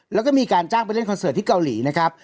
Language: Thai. แล้วก็มีการจ้างไปเล่นคอนเสิร์ตที่เกาหลีนะครับ